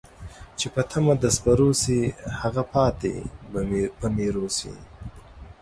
چې په تمه د سپرو شي ، هغه پاتې په میرو ښی